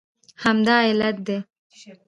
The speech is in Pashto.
همدا علت دی